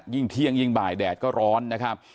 ยิ่งเที่ยงยิ่งบ่ายแดดก็ร้อนนะครับ